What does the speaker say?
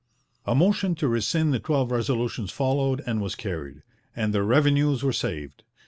' A motion to rescind the twelve resolutions followed and was carried, and the revenues were saved.